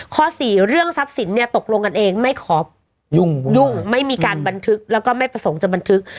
ข้อสี่เรื่องทรัพย์สินเนี่ยตกลงกันเองไม่ขอยุ่งไม่มีการบันทึกแล้วก็ไม่ประสงค์จะบันทึก